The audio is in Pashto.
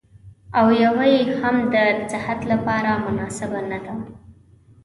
او يوه يې هم د صحت لپاره مناسبه نه ده.